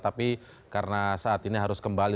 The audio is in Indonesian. tapi karena saat ini harus kembali